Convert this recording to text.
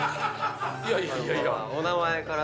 お名前から。